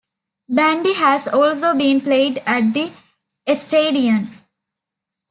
Bandy has also been played at the Eisstadion.